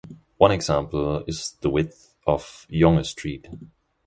One example is the width of Yonge Street.